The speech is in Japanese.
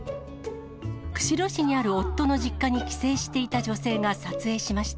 釧路市にある夫の実家に帰省していた女性が撮影しました。